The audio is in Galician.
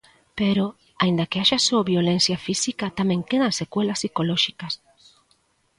Pero, aínda que haxa só violencia física, tamén quedan secuelas psicolóxicas.